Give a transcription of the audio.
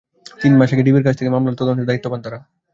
তিন মাস আগে ডিবির কাছ থেকে মামলার তদন্তের দায়িত্ব পান তাঁরা।